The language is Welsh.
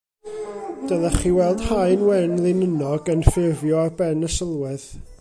Dylech chi weld haen wen linynnog yn ffurfio ar ben y sylwedd